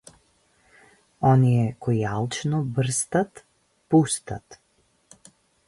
Оние кои алчно брстат, пустат.